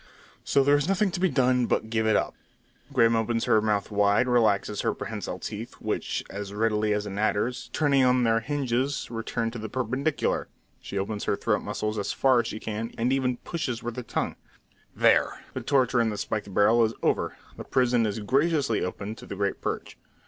So there is nothing to be done, but give it up! Grim opens her mouth wide, relaxes her prehensile teeth, which, as readily as an adder's, turning on their hinges, return to the perpendicular; she opens her throat muscles as far as she can, and even pushes with her tongue. "There! The torture in the spiked barrel is over. The prison is graciously open to the great perch."